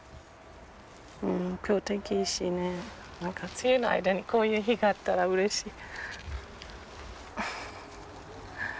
今日天気いいしね何か梅雨の間にこういう日があったらうれしい。